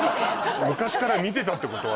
昔から見てたってこと？